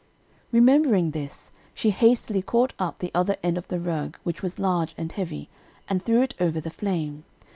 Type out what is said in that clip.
"] Remembering this, she hastily caught up the other end of the rug, which was large and heavy, and threw it over the flame.